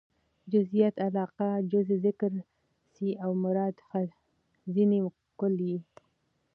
جزئيت علاقه؛ جز ذکر سي او مراد ځني کُل يي.